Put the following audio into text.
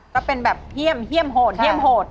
ก็เป็นแบบเหี้ยมโหด